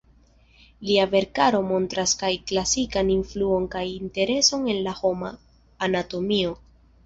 Lia verkaro montras kaj klasikan influon kaj intereson en la homa anatomio.